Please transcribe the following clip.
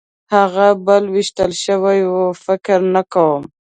هغه بل وېشتل شوی و؟ فکر نه کوم.